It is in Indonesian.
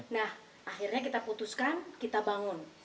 nah akhirnya kita putuskan kita bangun